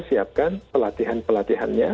kita akan menyiapkan pelatihan pelatihannya